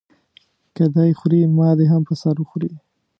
که دی خوري ما دې هم په سر وخوري.